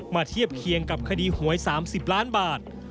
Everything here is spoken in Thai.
เทียบเคียงกับคดีหวย๓๐ล้านบาท